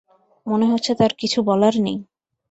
মনে হচ্ছে তার কিছু বলার নেই।